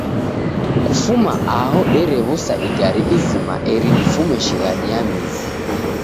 Kufuma aho derew'usa igare izima eri difume shighadi ya mizi.